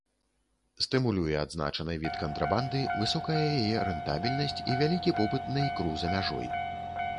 Стымулюе адзначаны від кантрабанды высокая яе рэнтабельнасць і вялікі попыт на ікру за мяжой.